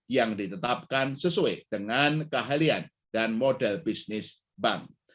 yang ditetapkan sesuai dengan keahlian dan model bisnis bank